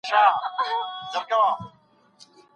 وسوسه هغه څه ده، چي د هغوی په زړونو کي ورګرځي.